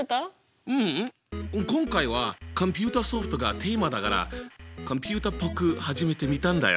今回は「コンピューターソフト」がテーマだからコンピューターっぽく始めてみたんだよ！